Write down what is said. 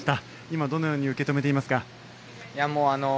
今、どのように受け止めていますか？